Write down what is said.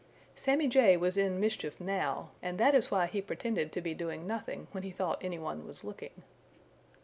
Sammy Jay was in mischief now, and that is why he pretended to be doing nothing when he thought any one was looking.